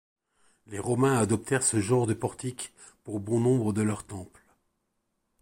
Les Romains adoptèrent ce genre de portique pour bon nombre de leurs temples.